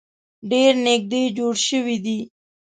ډیر نیږدې جوړ شوي دي.